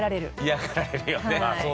嫌がられるよね。